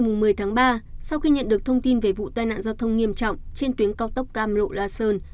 ngày một mươi tháng ba sau khi nhận được thông tin về vụ tai nạn giao thông nghiêm trọng trên tuyến cao tốc cam lộ la sơn